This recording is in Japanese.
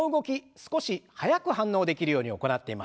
少し速く反応できるように行ってみましょう。